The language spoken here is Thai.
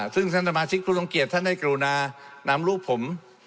ซึ่งท่านสมาชิกผู้ทรงเกียจท่านได้กรุณานำรูปผม